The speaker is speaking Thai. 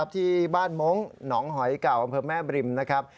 ที่บ้านมงค์หนองหอยเก่าอำเภอแม่บริมนะครับ